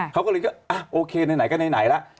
เขาก็เลยโอเคไหนก็ไหนแล้ว